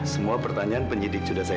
semua pertanyaan penyidik sudah saya